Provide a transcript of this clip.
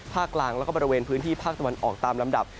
กลางแล้วก็บริเวณพื้นที่ภาคตะวันออกตามลำดับ